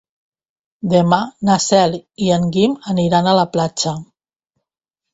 Demà na Cel i en Guim aniran a la platja.